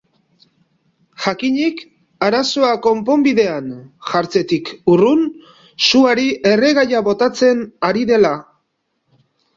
Jakinik, arazoa konponbidean jartzetik urrun, suari erregaia botatzen ari dela.